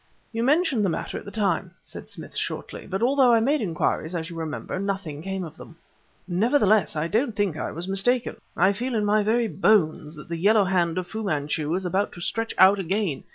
"You mentioned the matter at the time," said Smith shortly; "but although I made inquiries, as you remember, nothing came of them." "Nevertheless, I don't think I was mistaken. I feel in my very bones that the Yellow hand of Fu Manchu is about to stretch out again.